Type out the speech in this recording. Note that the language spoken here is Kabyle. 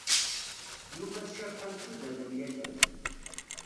Yuba d Cabḥa msudanen yakan.